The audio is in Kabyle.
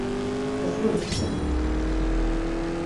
Asuref kan.